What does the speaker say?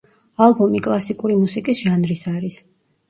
ალბომი კლასიკური მუსიკის ჟანრის არის.